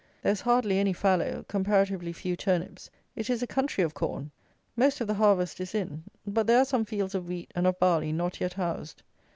There is hardly any fallow; comparatively few turnips. It is a country of corn. Most of the harvest is in; but there are some fields of wheat and of barley not yet housed.